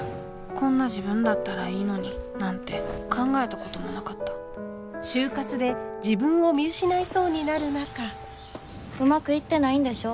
「こんな自分だったらいいのに」なんて考えたこともなかったうまくいってないんでしょ？